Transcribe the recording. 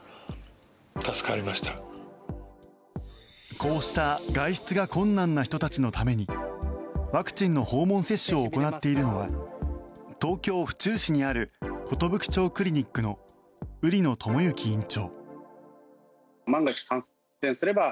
こうした外出が困難な人たちのためにワクチンの訪問接種を行っているのは東京・府中市にある寿町クリニックの売野智之院長。